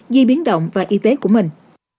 di biến động và y tế của mình